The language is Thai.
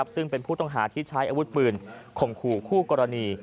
ซึ่งเป็นผู้ต้องหาที่ใช้อาวุธปืนข่มขู่คู่กรณี